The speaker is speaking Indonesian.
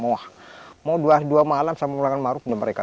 moh mau dua malam saya mengulangkan mangrove tidak mereka tahu